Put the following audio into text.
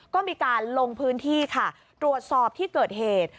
ก็มีการลงพื้นที่ค่ะตรวจสอบที่เกิดเหตุ